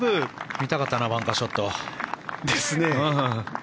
見たかったなバンカーショット。